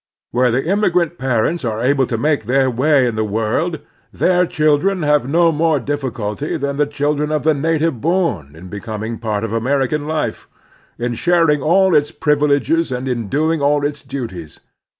Where the inmiigrant parents are able to make their way in the world, their children have no more difficulty than the children of the native bom in becoming part of American life, in sharing all its privileges and in doing all its duties.